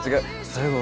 最後。